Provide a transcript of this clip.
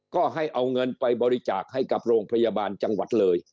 ก็ให้เอาเงินไปบริจาคให้กับโรงพยาบาลจังหวัดเลย